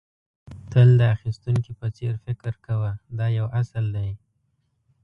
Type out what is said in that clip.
تل د اخيستونکي په څېر فکر کوه دا یو اصل دی.